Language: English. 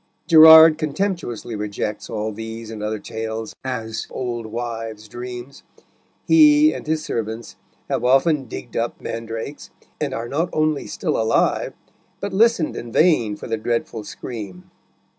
Gerard contemptuously rejects all these and other tales as "old wives' dreams." He and his servants have often digged up mandrakes, and are not only still alive, but listened in vain for the dreadful scream.